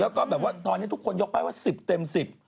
แล้วก็แบบว่าตอนนี้ทุกคนยกป้ายว่า๑๐เต็ม๑๐